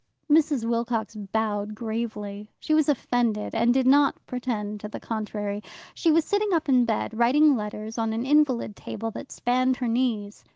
Mrs. Wilcox bowed gravely. She was offended, and did not pretend to the contrary. She was sitting up in bed, writing letters on an invalid table that spanned her knees.